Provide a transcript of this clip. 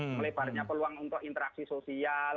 melebarnya peluang untuk interaksi sosial